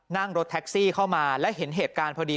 นั่งรถแท็กซี่เข้ามาและเห็นเหตุการณ์พอดี